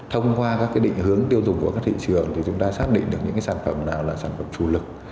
thông qua các định hướng tiêu dùng của các thị trường thì chúng ta xác định được những sản phẩm nào là sản phẩm chủ lực